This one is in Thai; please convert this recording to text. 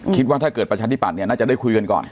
ถ้าเกิดประชาธิบัตย์เนี่ยน่าจะได้คุยกันก่อน